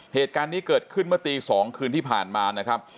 เหตุการณ์นี้เกิดขึ้นเมื่อตี๒คืนที่ผ่านมานะครับ